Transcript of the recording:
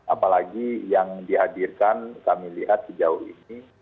apalagi yang dihadirkan kami lihat sejauh ini